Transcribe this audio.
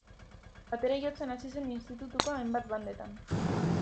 Bateria jotzen hasi zen institutuko hainbat bandetan.